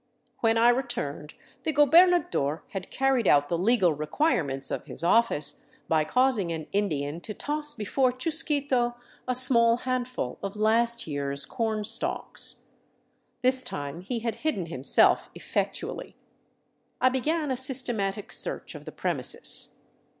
When I returned, the gobernador had car ried out the legal requirements of his office by causing an Indian to toss before Chusquito a small handful of last year's corn stalks. This time he had hidden himself effectually. I began a systematic search of the premises.